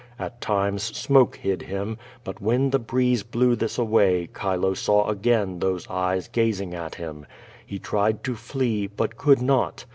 At times smoke hid him, but when the breeze blew this away Chilo saw again those eyes gazing at him. He tried to flee, but could not.